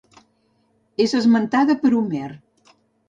És esmentada per Homer.